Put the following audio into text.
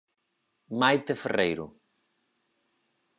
Maite Ferreiro.